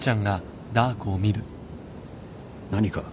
何か？